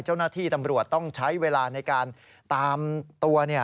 เจ้าหน้าที่ตำรวจต้องใช้เวลาในการตามตัว